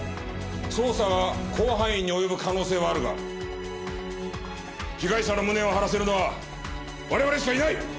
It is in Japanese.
捜査は広範囲に及ぶ可能性はあるが被害者の無念を晴らせるのは我々しかいない！